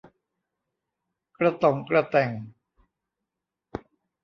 กระต่องกระแต่ง